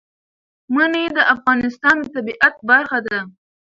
منی د افغانستان د طبیعت برخه ده.